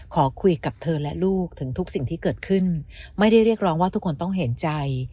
ขอคุยกับเธอและลูกถึงทุกสิ่งที่เกิดขึ้นไม่ได้เรียกร้องว่าทุกคนต้องเห็นใจ